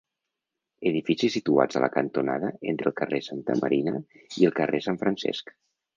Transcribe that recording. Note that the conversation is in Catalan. Edificis situats a la cantonada entre el carrer Santa Marina i el carrer Sant Francesc.